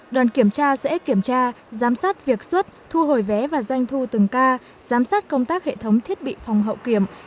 đoàn kiểm tra sẽ kiểm tra giám sát việc xuất thu hồi vé và doanh thu từng ca giám sát công tác hệ thống thiết bị phòng hậu kiểm